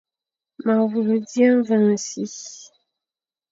Ma wule dia mveñ e si,